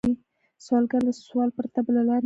سوالګر له سوال پرته بله لار نه لري